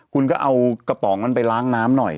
คุณก็เอากระป๋องมันไปล้างน้ำหน่อย